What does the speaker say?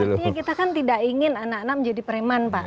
artinya kita kan tidak ingin anak anak menjadi preman pak